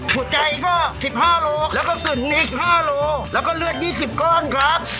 หัวใจก็๑๕โลแล้วก็กึ่งอีก๕โลแล้วก็เลือด๒๐ก้อนครับ